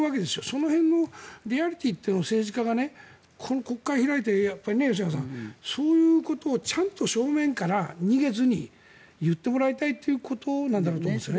その辺のリアリティーを政治家が国会を開いて吉永さん、そういうことをちゃんと正面から逃げずに言ってもらいたいということなんだろうと思うんですね。